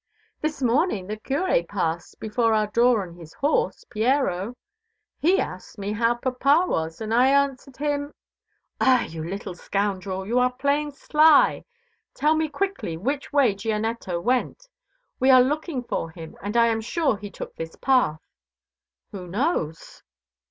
"This morning the curé passed before our door on his horse, Piero. He asked me how papa was, and I answered him " "Ah, you little scoundrel, you are playing sly! Tell me quickly which way Gianetto went? We are looking for him, and I am sure he took this path." "Who knows?"